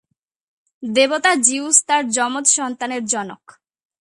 দেবতা জিউস তার যমজ সন্তানের জনক।